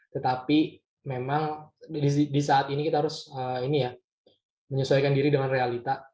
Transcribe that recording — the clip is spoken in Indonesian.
tetapi memang di saat ini kita harus ini ya menyesuaikan diri dengan realita